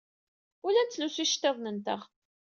Ur la nettlusu iceḍḍiḍen-nteɣ.